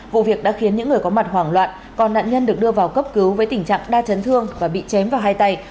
vụ việc đã khiến những người có mặt hoảng loạn còn nạn nhân được đưa vào cấp cứu với tình trạng đa chấn thương và bị chém vào hai tay